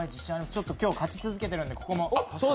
ちょっと今日、勝ち続けてるんで、ここも。